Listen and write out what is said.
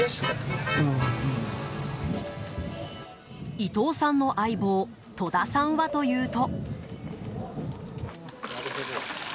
伊藤さんの相棒戸田さんはというと。